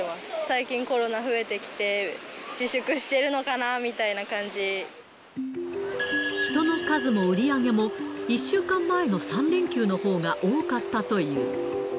最近コロナ増えてきて、人の数も売り上げも、１週間前の３連休のほうが多かったという。